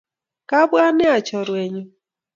Kabwat nea chorwet nyu.